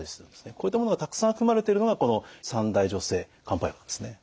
こういったものがたくさん含まれているのがこの三大女性漢方薬なんですね。